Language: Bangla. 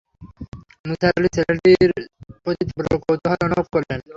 নিসার আলি ছেলেটির প্রতি তীব্র কৌতূহল অনুভব করলেন।